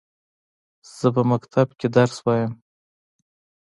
زه په مکتب کښي درس وايم.